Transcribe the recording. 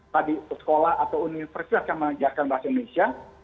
pada sekolah atau universitas yang menajarkan bahasa indonesia